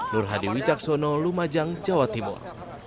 nur hadi wicaksono lumajang jawa timur